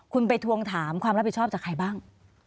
คุณไปทวงถามความรับผิดชอบจากใครบ้าง